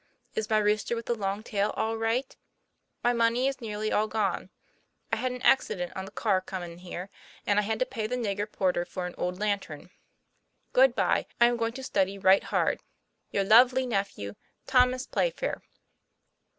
Is my rooster with the long tale all rite ? My money is nearly all gone. I had an axident on the car comin here, and I had to pay the nigger porter for an old lantern. Good bye. I am goin to study rite hard. Your lovely nephew, THOMAS PLAYFAIR.